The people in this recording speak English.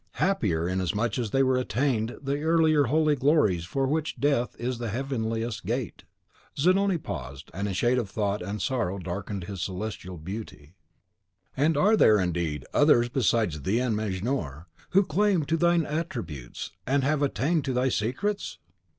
Happier inasmuch as they attained the earlier to the holy glories for which Death is the heavenliest gate." Zanoni paused, and a shade of thought and sorrow darkened his celestial beauty. "And are there, indeed, others, besides thee and Mejnour, who lay claim to thine attributes, and have attained to thy secrets?"